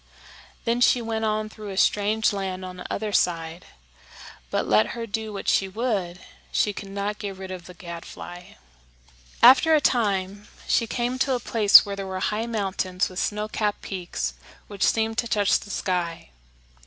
Then she went on through a strange land on the other side, but, let her do what she would, she could not get rid of the gadfly. After a time she came to a place where there were high mountains with snow capped peaks which seemed to touch the sky.